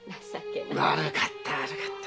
悪かった悪かった。